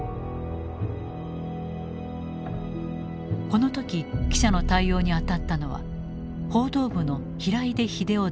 この時記者の対応に当たったのは報道部の平出英夫大佐。